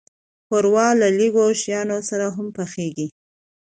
ښوروا له لږو شیانو سره هم پخیږي.